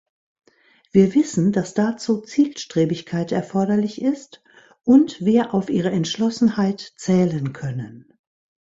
Wir wissen, dass dazu Zielstrebigkeit erforderlich ist und wir auf Ihre Entschlossenheit zählen können.